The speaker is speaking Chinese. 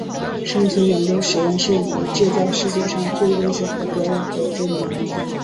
生存研究实验室以制造世界上最危险的表演而知名。